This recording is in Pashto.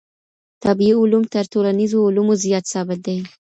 طبیعي علوم تر ټولنیزو علومو زیات ثابت دي.